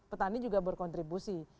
petani juga berkontribusi